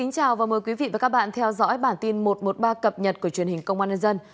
chào mừng quý vị đến với bản tin một trăm một mươi ba cập nhật của truyền hình công an nhân dân